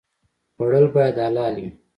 خوړل باید حلال وي